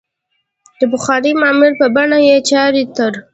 د پخوانۍ معمارۍ په بڼه یې چارې تر